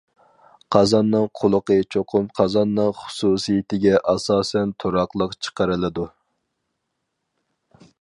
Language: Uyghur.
قازاننىڭ قۇلىقى چوقۇم قازاننىڭ خۇسۇسىيىتىگە ئاساسەن تۇراقلىق چىقىرىلىدۇ.